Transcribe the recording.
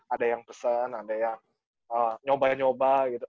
ada yang pesan ada yang nyoba nyoba gitu